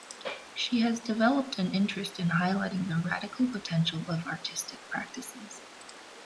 She has developed an interest in highlighting the radical potential of artistic practices.